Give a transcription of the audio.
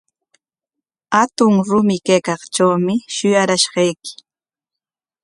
Hatun rumi kaykaqtrawmi shuyarashqayki.